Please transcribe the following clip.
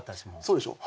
そうでしょ？